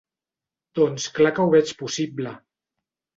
Doncs clar que ho veig possible.